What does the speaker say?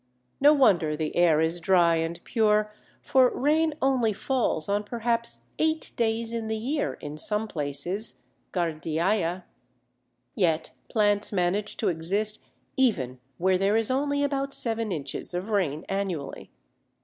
No wonder the air is dry and pure, for rain only falls on perhaps eight days in the year in some places (Ghardiaia). Yet plants manage to exist even where there is only about seven inches of rain annually.